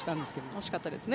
惜しかったですね。